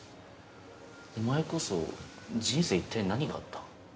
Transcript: お前こそ人生一体何があった？